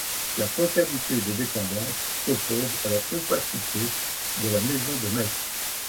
La concavité des dépendances s'oppose à la compacité de la maison de maître.